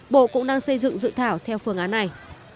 bộ cũng đang xây dựng dự thảo theo phương án này